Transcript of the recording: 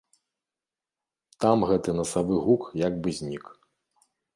Там гэты насавы гук як бы знік.